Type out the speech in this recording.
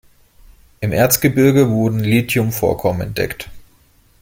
Im Erzgebirge wurden Lithium-Vorkommen entdeckt.